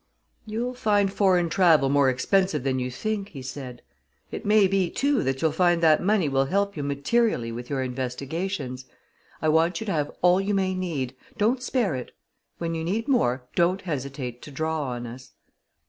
"You'll find foreign travel more expensive than you think," he said. "It may be, too, that you'll find that money will help you materially with your investigations. I want you to have all you may need don't spare it. When you need more don't hesitate to draw on us."